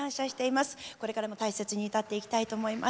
これからも大切に歌っていきたいと思います。